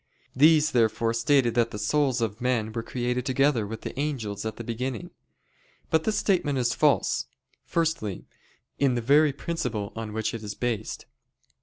These, therefore, stated that the souls of men were created together with the angels at the beginning. But this statement is false. Firstly, in the very principle on which it is based.